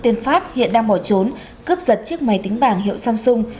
tên pháp hiện đang bỏ trốn cướp giật chiếc máy tính bảng hiệu samsung